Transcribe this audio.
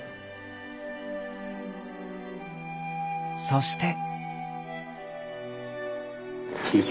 そして。